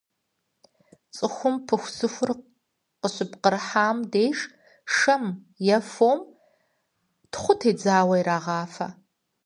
ЦӀыхум пыхусыхур къыщыпкърыхьам деж шэм фо е тхъу тедзауэ ирагъафэ.